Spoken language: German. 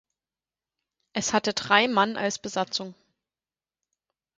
Es hatte drei Mann als Besatzung.